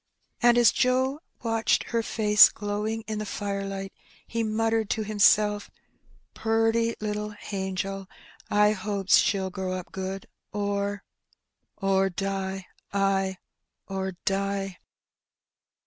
And as Joe watched her face glow ing in the firelight he muttered to himself, "Purty little hangel; I hopes she'U grow up good, or — or die — ay, or die!''